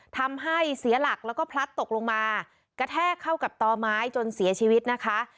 ทำให้เสียหลักแล้วก็พลัดตกลงมากระแทกเข้ากับต่อไม้จนเสียชีวิตนะคะ